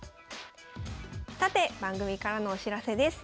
さて番組からのお知らせです。